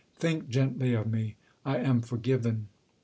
think gently of me! I am forgiven!